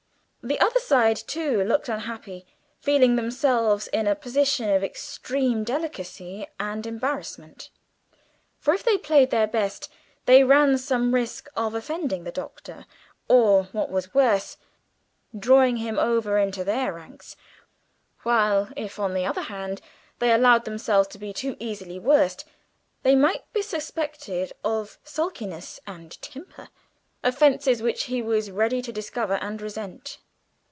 The other side too looked unhappy, feeling themselves in a position of extreme delicacy and embarrassment. For if they played their best, they ran some risk of offending the Doctor, or, what was worse, drawing him over into their ranks; while if, on the other hand, they allowed themselves to be too easily worsted, they might be suspected of sulkiness and temper offences which he was very ready to discover and resent.